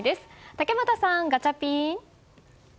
竹俣さん、ガチャピン。